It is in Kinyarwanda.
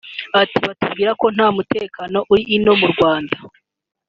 Ati “Batubwiraga ko nta mutekano uri ino mu Rwanda